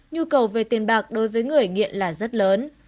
nhu cầu về tiền bạc đối với người nghiện là rất lớn